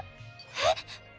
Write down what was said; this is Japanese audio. えっ！？